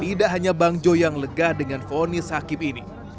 tidak hanya bang jo yang lega dengan fonis hakim ini